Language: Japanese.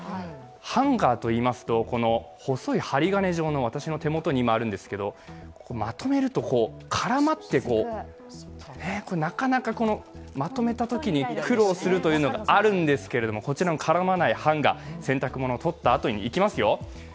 ハンガーといいますと、細い針金状の、私の手元に今あるんですがまとめると絡まって、なかなかまとめたときに苦労するというのがあるんですけど、こちらの絡まないハンガー洗濯物を取ったあとに、いきますよ